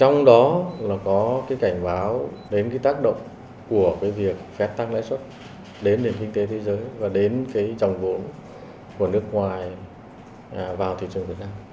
ngoại thương của nước ngoài vào thị trường việt nam